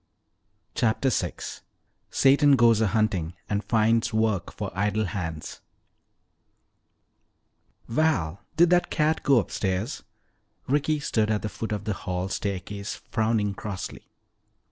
CHAPTER VI SATAN GOES A HUNTING AND FINDS WORK FOR IDLE HANDS "Val, did that cat go upstairs?" Ricky stood at the foot of the hall staircase frowning crossly.